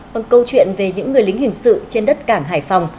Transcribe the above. bằng câu chuyện về những người lính hình sự trên đất cảng hải phòng